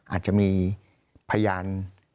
อาจจะมีพยาน